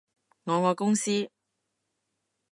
我愛公司